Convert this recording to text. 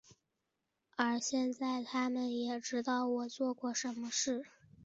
而现在他们也知道我做过什么事。